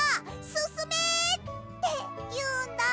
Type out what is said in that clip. すすめ！」っていうんだ。